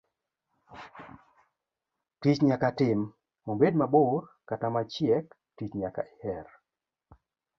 Tich nyaka tim, obed mabor kata machiek, tich nyaka iher.